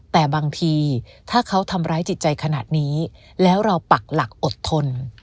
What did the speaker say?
แต่บางทีถ้าเขาทำร้ายจิตใจขนาดนี้แล้วเราปักหลักอดทน